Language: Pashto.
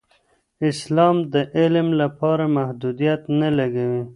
اسلام د علم لپاره محدودیت نه لګوي.